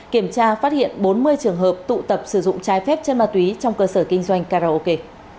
kiểm tra phát hiện bốn mươi trường hợp tụ tập sử dụng trái phép chân ma túy trong cơ sở kinh doanh karaoke